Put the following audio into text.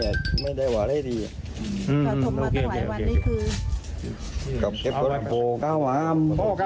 แล้วก็เต้นพ่อเลยเต้นพ่อก่อนใช่ไหม